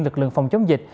lực lượng phòng chống dịch